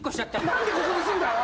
何でここですんだよ？